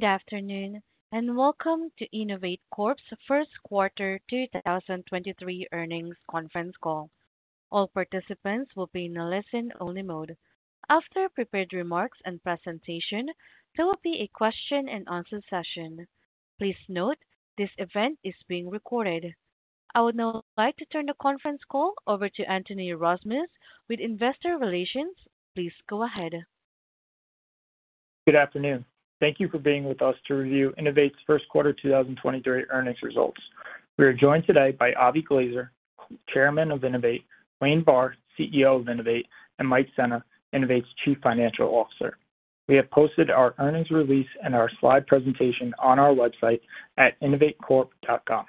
Good afternoon, welcome to INNOVATE Corp.'s first quarter 2023 earnings conference call. All participants will be in a listen-only mode. After prepared remarks and presentation, there will be a question and answer session. Please note this event is being recorded. I would now like to turn the conference call over to Anthony Rozmus with investor relations. Please go ahead. Good afternoon. Thank you for being with us to review INNOVATE's first quarter 2023 earnings results. We are joined today by Avie Glazer, Chairman of INNOVATE, Wayne Barr, CEO of INNOVATE, and Mike Sena, INNOVATE's Chief Financial Officer. We have posted our earnings release and our slide presentation on our website at innovatecorp.com.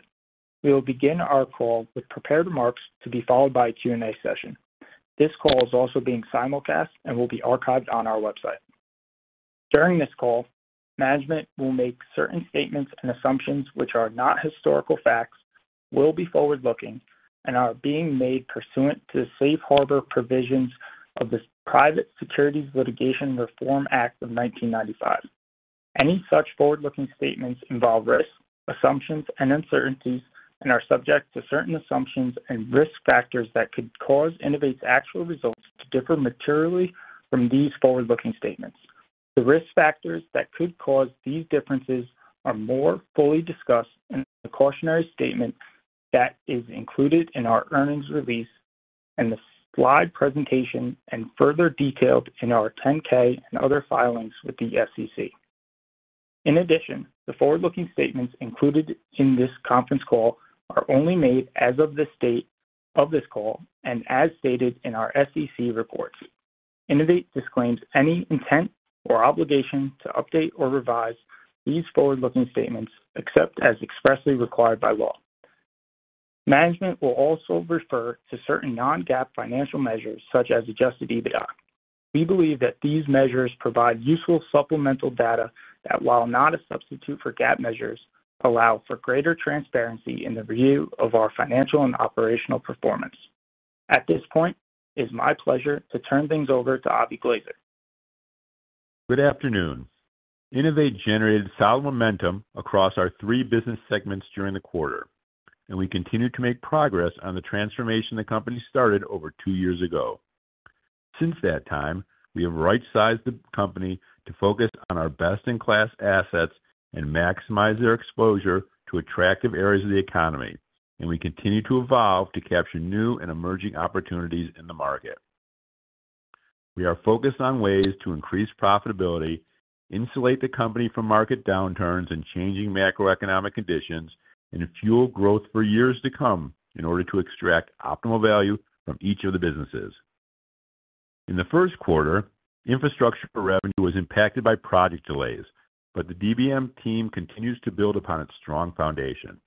We will begin our call with prepared remarks to be followed by a Q&A session. This call is also being simulcast and will be archived on our website. During this call, management will make certain statements and assumptions which are not historical facts, will be forward-looking, and are being made pursuant to the safe harbor provisions of the Private Securities Litigation Reform Act of 1995. Any such forward-looking statements involve risks, assumptions, and uncertainties and are subject to certain assumptions and risk factors that could cause INNOVATE's actual results to differ materially from these forward-looking statements. The risk factors that could cause these differences are more fully discussed in the cautionary statement that is included in our earnings release and the slide presentation, further detailed in our 10-K and other filings with the SEC. In addition, the forward-looking statements included in this conference call are only made as of the state of this call and as stated in our SEC reports. INNOVATE disclaims any intent or obligation to update or revise these forward-looking statements except as expressly required by law. Management will also refer to certain non-GAAP financial measures such as adjusted EBITDA. We believe that these measures provide useful supplemental data that, while not a substitute for GAAP measures, allow for greater transparency in the review of our financial and operational performance. At this point, it's my pleasure to turn things over to Avie Glazer. Good afternoon. INNOVATE generated solid momentum across our three business segments during the quarter, we continue to make progress on the transformation the company started over two years ago. Since that time, we have right-sized the company to focus on our best-in-class assets and maximize their exposure to attractive areas of the economy, we continue to evolve to capture new and emerging opportunities in the market. We are focused on ways to increase profitability, insulate the company from market downturns and changing macroeconomic conditions, and fuel growth for years to come in order to extract optimal value from each of the businesses. In the first quarter, infrastructure revenue was impacted by project delays, the DBM team continues to build upon its strong foundation.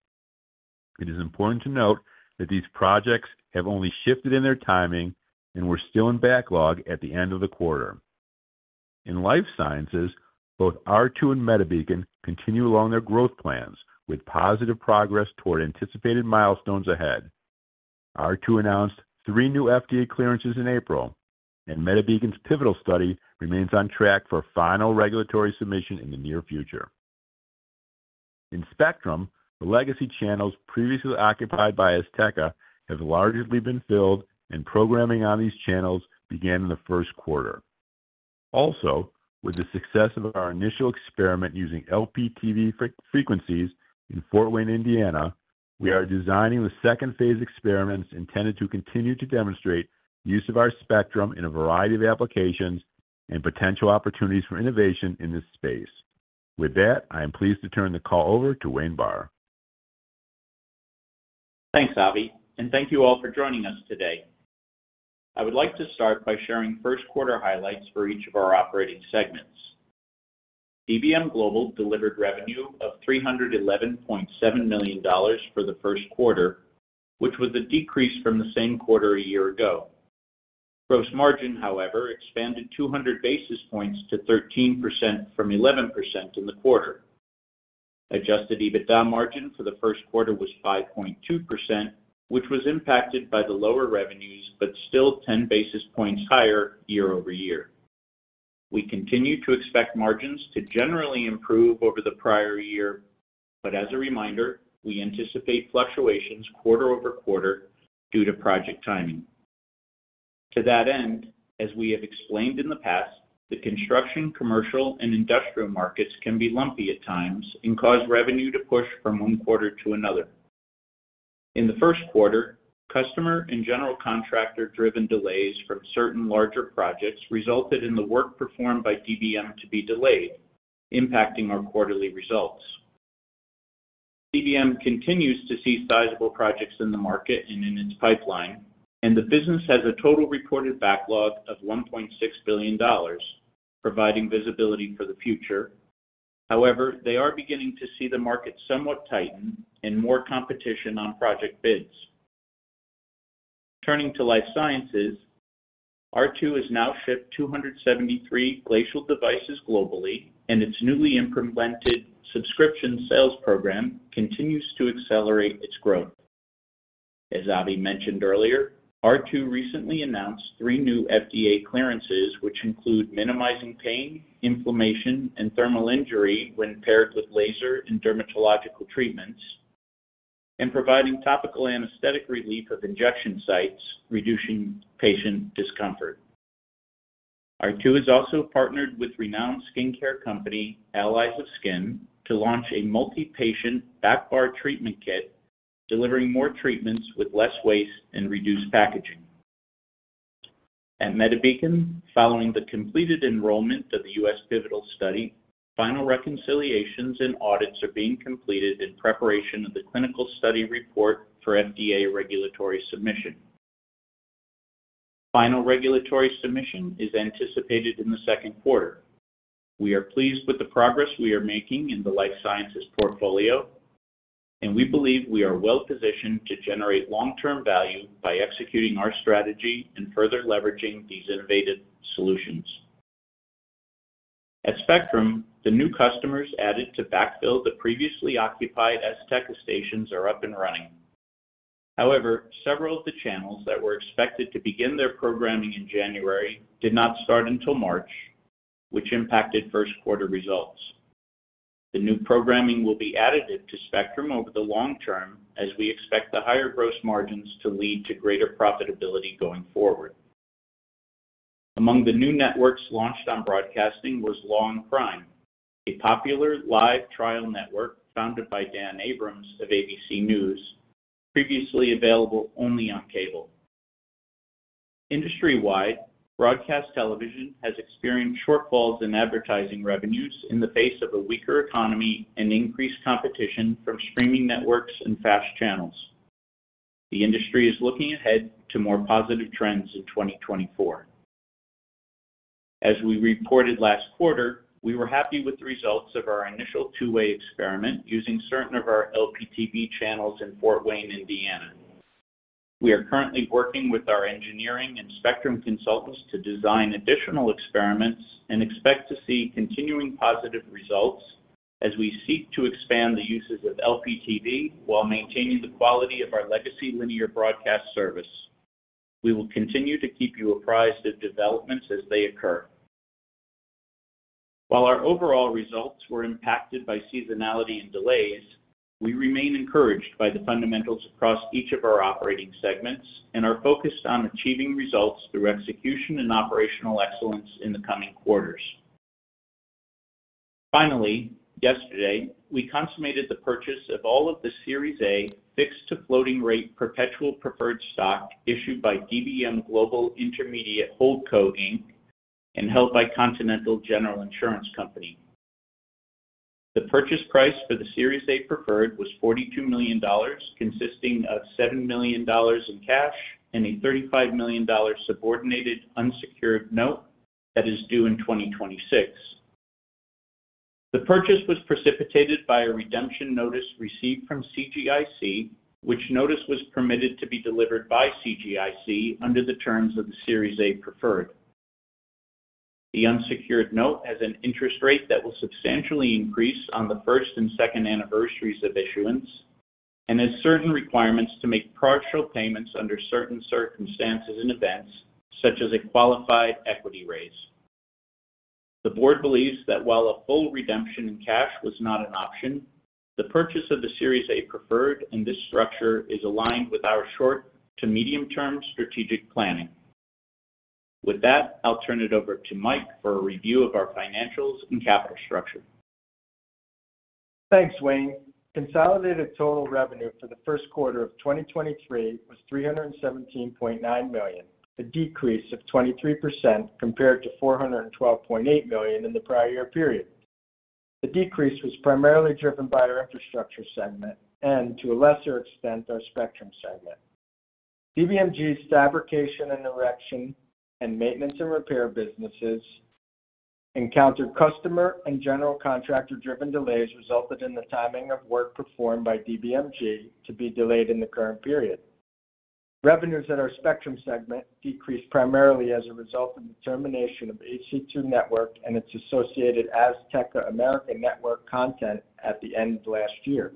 It is important to note that these projects have only shifted in their timing and were still in backlog at the end of the quarter. In life sciences, both R2 and MediBeacon continue along their growth plans with positive progress toward anticipated milestones ahead. R2 announced three new FDA clearances in April, and MediBeacon's pivotal study remains on track for final regulatory submission in the near future. In Spectrum, the legacy channels previously occupied by Azteca have largely been filled, and programming on these channels began in the first quarter. With the success of our initial experiment using LPTV frequencies in Fort Wayne, Indiana, we are designing the second phase experiments intended to continue to demonstrate use of our spectrum in a variety of applications and potential opportunities for innovation in this space. With that, I am pleased to turn the call over to Wayne Barr. Thanks, Avie. Thank you all for joining us today. I would like to start by sharing first quarter highlights for each of our operating segments. DBM Global delivered revenue of $311.7 million for the first quarter, which was a decrease from the same quarter a year-ago. Gross margin, however, expanded 200 basis points to 13% from 11% in the quarter. Adjusted EBITDA margin for the first quarter was 5.2%, which was impacted by the lower revenues but still 10 basis points higher year-over-year. We continue to expect margins to generally improve over the prior year. As a reminder, we anticipate fluctuations quarter-over-quarter due to project timing. To that end, as we have explained in the past, the construction, commercial, and industrial markets can be lumpy at times and cause revenue to push from one quarter to another. In the first quarter, customer and general contractor-driven delays from certain larger projects resulted in the work performed by DBM to be delayed, impacting our quarterly results. DBM continues to see sizable projects in the market and in its pipeline, and the business has a total reported backlog of $1.6 billion, providing visibility for the future. However, they are beginning to see the market somewhat tighten and more competition on project bids. Turning to life sciences, R2 has now shipped 273 Glacial devices globally, and its newly implemented subscription sales program continues to accelerate its growth. As Avie mentioned earlier, R2 recently announced three new FDA clearances, which include minimizing pain, inflammation, and thermal injury when paired with laser and dermatological treatments, and providing topical anesthetic relief of injection sites, reducing patient discomfort. R2 has also partnered with renowned skincare company, Allies of Skin, to launch a multi-patient backbar treatment kit, delivering more treatments with less waste and reduced packaging. At MediBeacon, following the completed enrollment of the U.S. pivotal study, final reconciliations and audits are being completed in preparation of the clinical study report for FDA regulatory submission. Final regulatory submission is anticipated in the second quarter. We are pleased with the progress we are making in the life sciences portfolio, and we believe we are well-positioned to generate long-term value by executing our strategy and further leveraging these innovative solutions. At Spectrum, the new customers added to backfill the previously occupied Azteca stations are up and running. However, several of the channels that were expected to begin their programming in January did not start until March, which impacted first quarter results. The new programming will be additive to Spectrum over the long term, as we expect the higher gross margins to lead to greater profitability going forward. Among the new networks launched on broadcasting was Law&Crime, a popular live trial network founded by Dan Abrams of ABC News, previously available only on cable. Industry-wide, broadcast television has experienced shortfalls in advertising revenues in the face of a weaker economy and increased competition from streaming networks and FAST channels. The industry is looking ahead to more positive trends in 2024. As we reported last quarter, we were happy with the results of our initial two-way experiment using certain of our LPTV channels in Fort Wayne, Indiana. We are currently working with our engineering and spectrum consultants to design additional experiments and expect to see continuing positive results as we seek to expand the uses of LPTV while maintaining the quality of our legacy linear broadcast service. We will continue to keep you apprised of developments as they occur. While our overall results were impacted by seasonality and delays, we remain encouraged by the fundamentals across each of our operating segments and are focused on achieving results through execution and operational excellence in the coming quarters. Finally, yesterday, we consummated the purchase of all of the Series A Fixed-to-Floating Rate Perpetual Preferred Stock issued by DBM Global Intermediate Holdco Inc. and held by Continental General Insurance Company. The purchase price for the Series A preferred was $42 million, consisting of $7 million in cash and a $35 million subordinated unsecured note that is due in 2026. The purchase was precipitated by a redemption notice received from CGIC, which notice was permitted to be delivered by CGIC under the terms of the Series A preferred. The unsecured note has an interest rate that will substantially increase on the first and second anniversaries of issuance and has certain requirements to make partial payments under certain circumstances and events such as a qualified equity raise. The board believes that while a full redemption in cash was not an option, the purchase of the Series A preferred in this structure is aligned with our short to medium-term strategic planning. With that, I'll turn it over to Mike for a review of our financials and capital structure. Thanks, Wayne. Consolidated total revenue for the first quarter of 2023 was $317.9 million, a decrease of 23% compared to $412.8 million in the prior year period. The decrease was primarily driven by our infrastructure segment and, to a lesser extent, our Spectrum segment. DBMG's fabrication and erection and maintenance and repair businesses encountered customer and general contractor-driven delays resulted in the timing of work performed by DBMG to be delayed in the current period. Revenues at our Spectrum segment decreased primarily as a result of the termination of HC2 Network and its associated Azteca America Network content at the end of last year.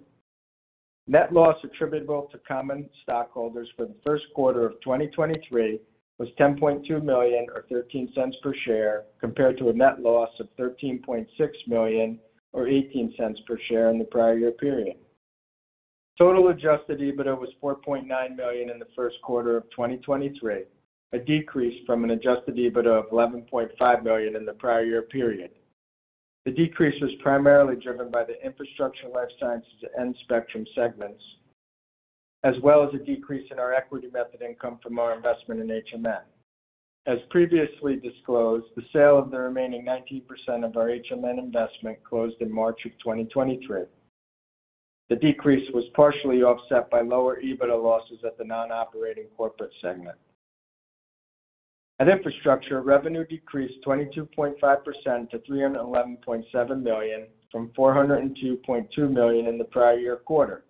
Net loss attributable to common stockholders for the first quarter of 2023 was $10.2 million or $0.13 per share, compared to a net loss of $13.6 million or $0.18 per share in the prior year period. Total adjusted EBITDA was $4.9 million in the first quarter of 2023, a decrease from an adjusted EBITDA of $11.5 million in the prior year period. The decrease was primarily driven by the infrastructure, life sciences, and spectrum segments, as well as a decrease in our equity method income from our investment in HMN. As previously disclosed, the sale of the remaining 19% of our HMN investment closed in March of 2023. The decrease was partially offset by lower EBITDA losses at the non-operating corporate segment. At Infrastructure, revenue decreased 22.5% to $311.7 million from $402.2 million in the prior-year quarter.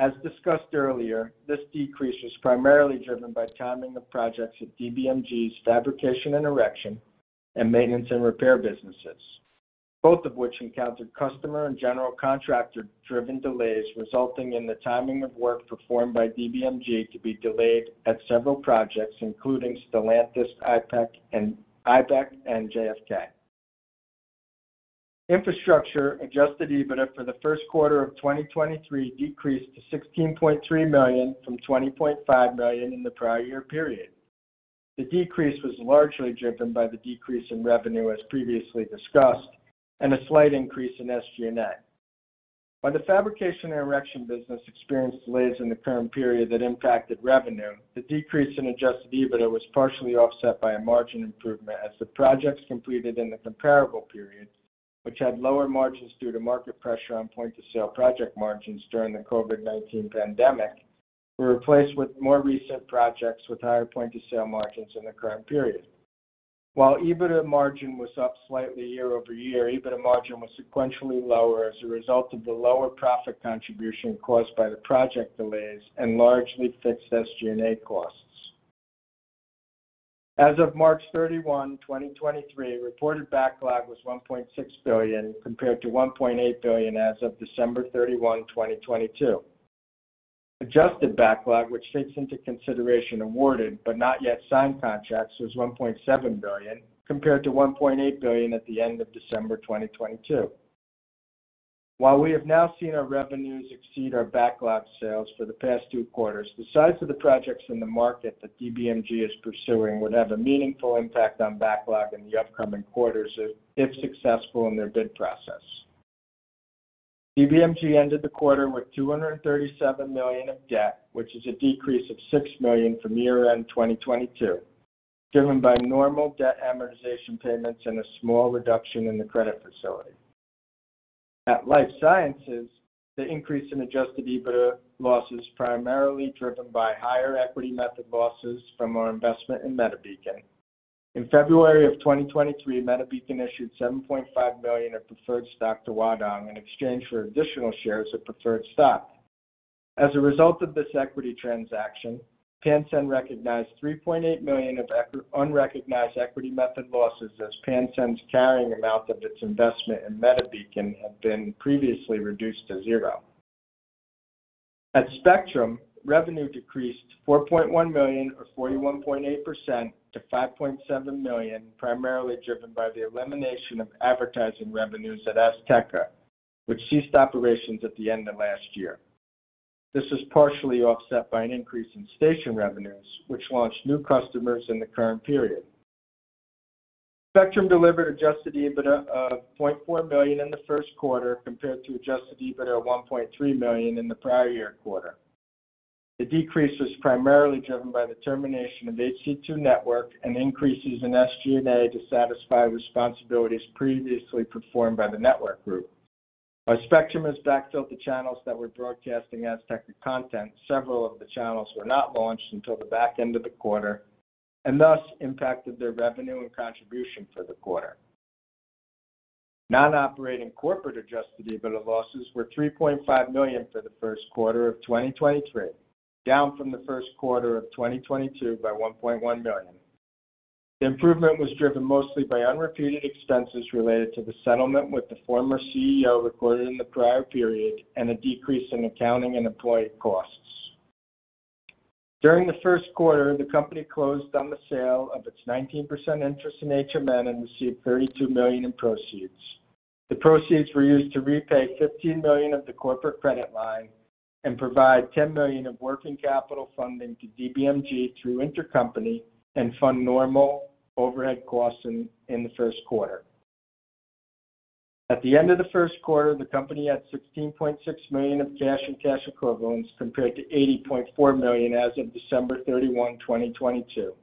As discussed earlier, this decrease was primarily driven by timing of projects at DBMG's fabrication and erection and maintenance and repair businesses. Both of which encountered customer and general contractor-driven delays, resulting in the timing of work performed by DBMG to be delayed at several projects, including Stellantis, IPEC and IBEC and JFK. Infrastructure adjusted EBITDA for the first quarter of 2023 decreased to $16.3 million from $20.5 million in the prior-year period. The decrease was largely driven by the decrease in revenue, as previously discussed, and a slight increase in SG&A. While the fabrication and erection business experienced delays in the current period that impacted revenue, the decrease in adjusted EBITDA was partially offset by a margin improvement as the projects completed in the comparable period, which had lower margins due to market pressure on point-of-sale project margins during the COVID-19 pandemic, were replaced with more recent projects with higher point-of-sale margins in the current period. While EBITDA margin was up slightly year-over-year, EBITDA margin was sequentially lower as a result of the lower profit contribution caused by the project delays and largely fixed SG&A costs. As of March 31, 2023, reported backlog was $1.6 billion, compared to $1.8 billion as of December 31, 2022. Adjusted backlog, which takes into consideration awarded but not yet signed contracts, was $1.7 billion, compared to $1.8 billion at the end of December 2022. While we have now seen our revenues exceed our backlog sales for the past two quarters, the size of the projects in the market that DBMG is pursuing would have a meaningful impact on backlog in the upcoming quarters if successful in their bid process. DBMG ended the quarter with $237 million of debt, which is a decrease of $6 million from year-end 2022, driven by normal debt amortization payments and a small reduction in the credit facility. At Life Sciences, the increase in adjusted EBITDA loss is primarily driven by higher equity method losses from our investment in MediBeacon. In February 2023, MediBeacon issued $7.5 million of preferred stock to Huadong in exchange for additional shares of preferred stock. As a result of this equity transaction, Pansend recognized $3.8 million of unrecognized equity method losses as Pansend's carrying amount of its investment in MediBeacon had been previously reduced to zero. At Spectrum, revenue decreased to $4.1 million or 41.8% to $5.7 million, primarily driven by the elimination of advertising revenues at Azteca, which ceased operations at the end of last year. This was partially offset by an increase in station revenues, which launched new customers in the current period. Spectrum delivered adjusted EBITDA of $0.4 million in the first quarter, compared to adjusted EBITDA of $1.3 million in the prior year quarter. The decrease was primarily driven by the termination of HC2 Network and increases in SG&A to satisfy responsibilities previously performed by the network group. While Spectrum has backfilled the channels that were broadcasting Azteca content, several of the channels were not launched until the back end of the quarter and thus impacted their revenue and contribution for the quarter. Non-operating corporate adjusted EBITDA losses were $3.5 million for the first quarter of 2023, down from the first quarter of 2022 by $1.1 million. The improvement was driven mostly by unrepeated expenses related to the settlement with the former CEO recorded in the prior period and a decrease in accounting and employee costs. During the first quarter, the company closed on the sale of its 19% interest in HMN and received $32 million in proceeds. The proceeds were used to repay $15 million of the corporate credit line and provide $10 million of working capital funding to DBMG through intercompany and fund normal overhead costs in the first quarter. At the end of the first quarter, the company had $16.6 million of cash and cash equivalents compared to $80.4 million as of December 31, 2022.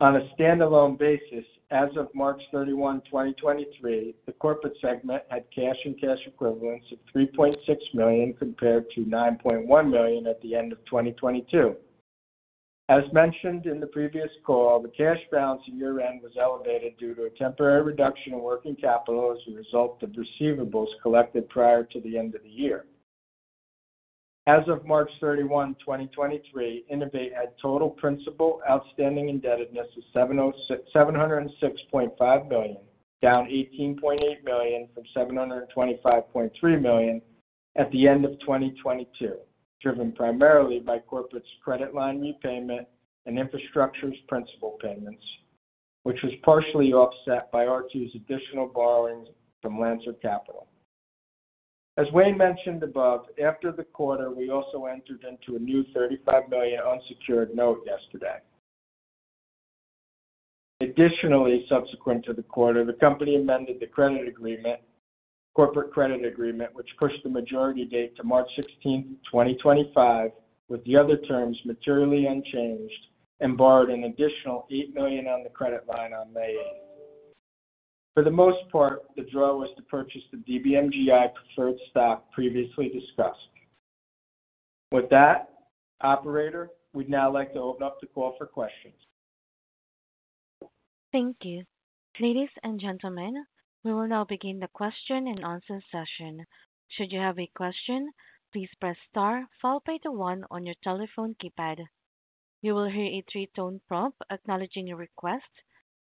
On a standalone basis, as of March 31, 2023, the corporate segment had cash and cash equivalents of $3.6 million compared to $9.1 million at the end of 2022. As mentioned in the previous call, the cash balance at year-end was elevated due to a temporary reduction in working capital as a result of receivables collected prior to the end of the year. As of March 31, 2023, INNOVATE had total principal outstanding indebtedness of $706.5 million, down $18.8 million from $725.3 million at the end of 2022, driven primarily by corporate's credit line repayment and infrastructure's principal payments, which was partially offset by R2's additional borrowings from Lancer Capital. As Wayne mentioned above, after the quarter, we also entered into a new $35 million unsecured note yesterday. Subsequent to the quarter, the company amended the corporate credit agreement, which pushed the maturity date to March 16, 2025, with the other terms materially unchanged, and borrowed an additional $8 million on the credit line on May 8. For the most part, the draw was to purchase the DBMGi preferred stock previously discussed. With that, operator, we'd now like to open up the call for questions. Thank you. Ladies and gentlemen, we will now begin the question and answer session. Should you have a question, please press star followed by the one on your telephone keypad. You will hear a three-tone prompt acknowledging your request.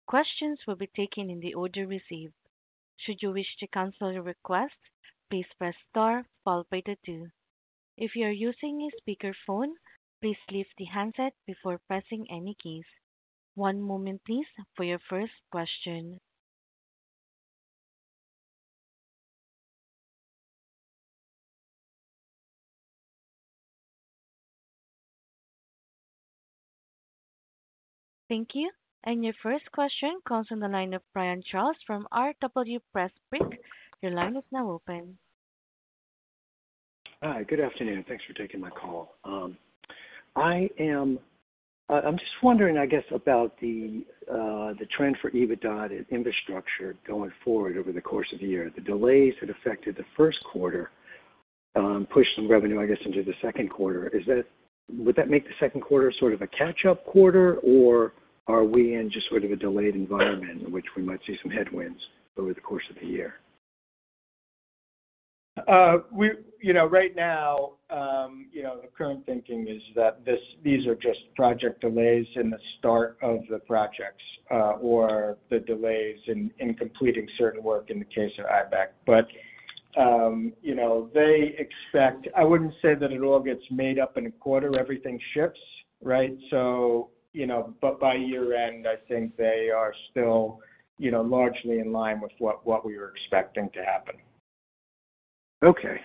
Questions will be taken in the order received. Should you wish to cancel your request, please press star followed by the two. If you are using a speakerphone, please leave the handset before pressing any keys. One moment please for your first question. Thank you. Your first question comes from the line of Brian Charles from R.W. Pressprich. Your line is now open. Hi. Good afternoon. Thanks for taking my call. I'm just wondering, I guess, about the trend for EBITDA and infrastructure going forward over the course of the year. The delays that affected the first quarter, pushed some revenue, I guess, into the second quarter. Would that make the second quarter sort of a catch-up quarter, or are we in just sort of a delayed environment in which we might see some headwinds over the course of the year? You know, right now, you know, the current thinking is that this, these are just project delays in the start of the projects, or the delays in completing certain work in the case of IBEC. You know, they expect, I wouldn't say that it all gets made up in a quarter, everything shifts, right? You know, but by year-end, I think they are still, you know, largely in line with what we were expecting to happen. Okay.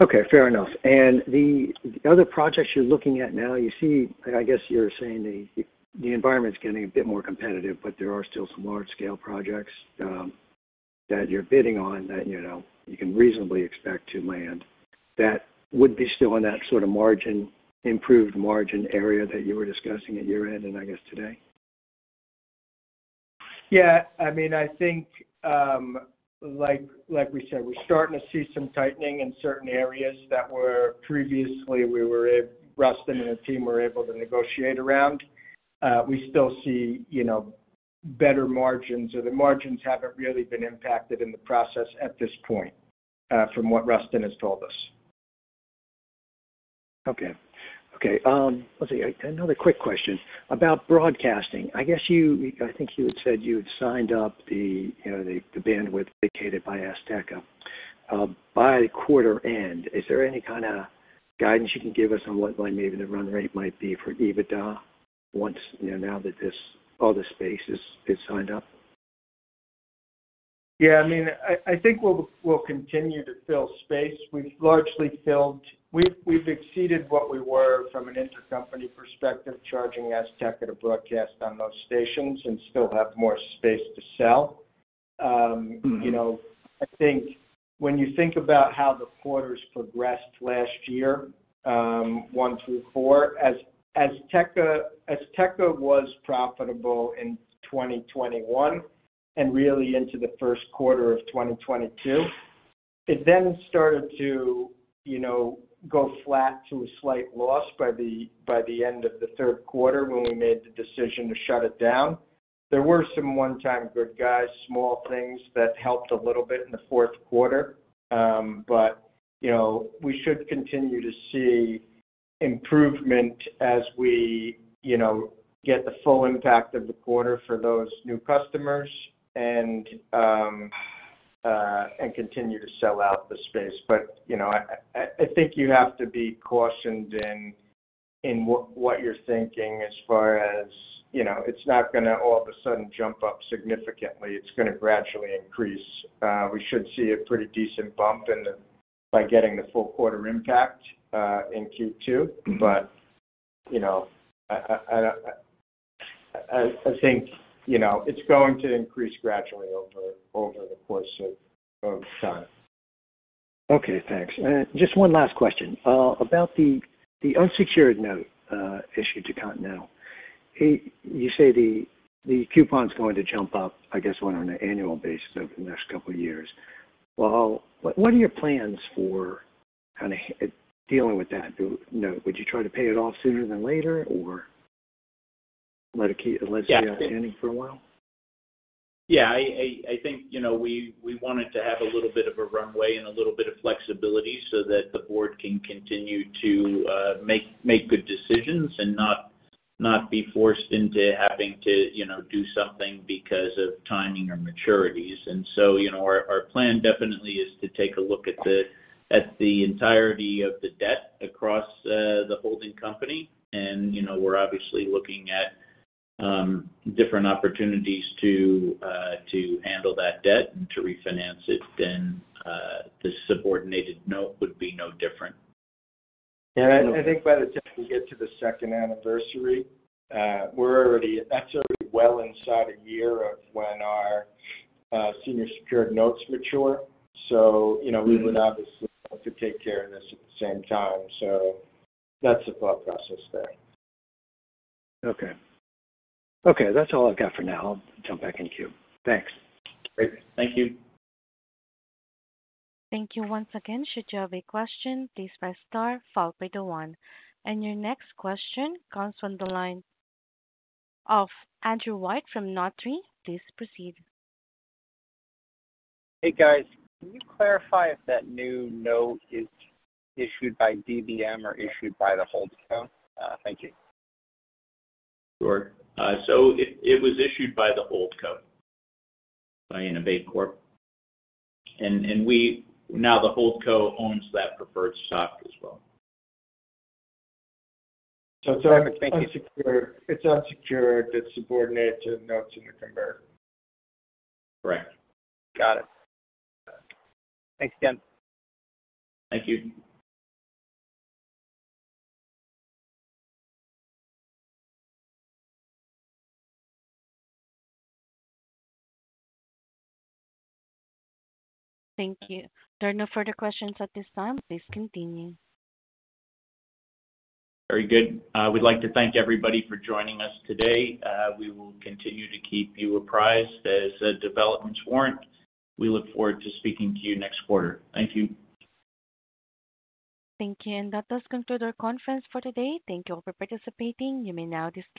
Okay, fair enough. The other projects you're looking at now, you see, I guess you're saying the environment is getting a bit more competitive, but there are still some large-scale projects that you're bidding on that, you know, you can reasonably expect to land that would be still in that sort of margin, improved margin area that you were discussing at year-end and I guess today. Yeah. I mean, I think, like we said, we're starting to see some tightening in certain areas that were previously Rustin and his team were able to negotiate around. We still see, you know, better margins, or the margins haven't really been impacted in the process at this point, from what Rustin has told us. Okay. Okay, let's see. Another quick question about broadcasting. I guess I think you had said you had signed up the, you know, the bandwidth vacated by Azteca by quarter end. Is there any kinda guidance you can give us on what maybe the run rate might be for EBITDA once, you know, now that this other space is signed up? I mean, I think we'll continue to fill space. We've exceeded what we were from an intercompany perspective, charging Azteca to broadcast on those stations and still have more space to sell. Mm-hmm. You know, I think when you think about how the quarters progressed last year, one through four, as Azteca was profitable in 2021 and really into the first quarter of 2022. It started to, you know, go flat to a slight loss by the end of the third quarter when we made the decision to shut it down. There were some one-time good guys, small things that helped a little bit in the fourth quarter. You know, we should continue to see improvement as we, you know, get the full impact of the quarter for those new customers and continue to sell out the space. You know, I think you have to be cautioned in what you're thinking as far as, you know, it's not gonna all of a sudden jump up significantly. It's gonna gradually increase. We should see a pretty decent bump by getting the full quarter impact in Q2. Mm-hmm. You know, I think, you know, it's going to increase gradually over the course of time. Okay, thanks. Just one last question. About the unsecured note, issued to Continental. You say the coupon's going to jump up, I guess, on an annual basis over the next couple of years. What are your plans for kinda dealing with that note? Would you try to pay it off sooner than later or let it. Yeah. Let it keep standing for a while? Yeah. I think, you know, we wanted to have a little bit of a runway and a little bit of flexibility so that the board can continue to make good decisions and not be forced into having to, you know, do something because of timing or maturities. You know, our plan definitely is to take a look at the entirety of the debt across the holding company. You know, we're obviously looking at different opportunities to handle that debt and to refinance it then the subordinated note would be no different. I think by the time we get to the second anniversary, That's already well inside a year of when our senior secured notes mature. you know. Mm-hmm. We would obviously want to take care of this at the same time. That's the thought process there. Okay. Okay, that's all I've got for now. I'll jump back in queue. Thanks. Great. Thank you. Thank you once again. Should you have a question, please press star followed by the one. Your next question comes from the line of Andrew White from Nut Tree. Please proceed. Hey, guys. Can you clarify if that new note is issued by DBM or issued by the holdco? Thank you. Sure. It was issued by the holdco, by INNOVATE Corp. Now the holdco owns that preferred stock as well. It's unsecured. Thank you. It's unsecured, but subordinate to the notes in the converter. Correct. Got it. Thanks, guys. Thank you. Thank you. There are no further questions at this time. Please continue. Very good. We'd like to thank everybody for joining us today. We will continue to keep you apprised as developments warrant. We look forward to speaking to you next quarter. Thank you. Thank you. That does conclude our conference for today. Thank you all for participating. You may now disconnect.